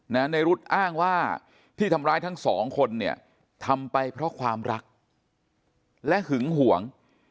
ในรุ๊ดอ้างว่าที่ทำร้ายทั้งสองคนเนี่ยทำไปเพราะความรักและหึงห่วง